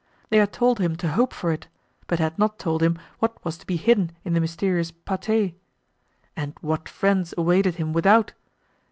They had told him to hope for it, but had not told him what was to be hidden in the mysterious pate. And what friends awaited him without?